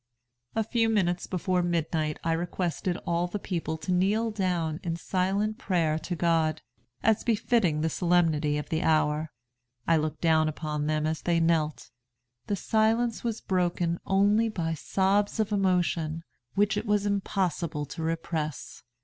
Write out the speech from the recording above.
"A few minutes before midnight, I requested all the people to kneel down in silent prayer to God, as befitting the solemnity of the hour. I looked down upon them as they knelt. The silence was broken only by sobs of emotion, which it was impossible to repress.